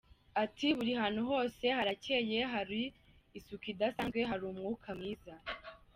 Ati “ Buri hantu hose harakeye, hari isukuidasanzwe, hari umwuka mwiza.